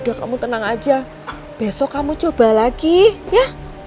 udah kamu tenang aja besok kamu coba lagi ya